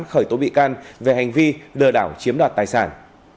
khởi tố bị can về hành vi lừa đảo chiếm đoạt tài sản